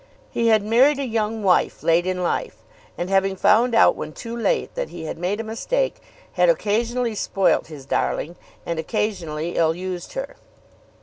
He had married a young wife late in life and, having found out when too late that he had made a mistake, had occasionally spoilt his darling and occasionally ill used her.